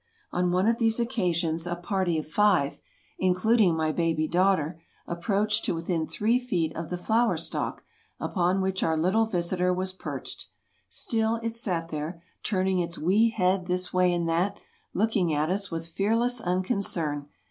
On one of these occasions a party of five (including my baby daughter) approached to within three feet of the flower stalk upon which our little visitor was perched; still it sat there, turning its wee head this way and that, looking at us with fearless unconcern.